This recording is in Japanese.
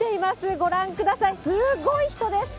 ご覧ください、すごい人です。